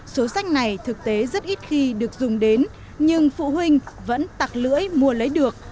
số sách này thực tế rất ít khi được dùng đến nhưng phụ huynh vẫn tặc lưỡi mua lấy được